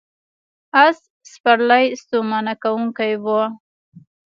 آس سپرلي ستومانه کوونکې وه.